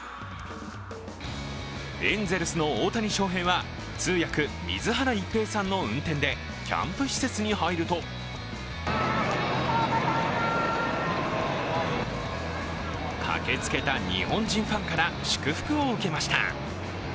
エンゼルスの大谷翔平は通訳・水原一平さんの運転でキャンプ施設に入ると駆けつけた日本人ファンから祝福を受けました。